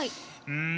うん。